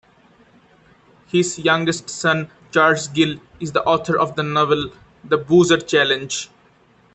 His youngest son, Charles Gill, is the author of the novel The Boozer Challenge.